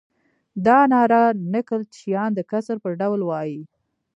دا ناره نکل چیان د کسر پر ډول وایي.